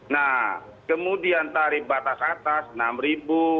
nah kemudian tarif batas atas rp enam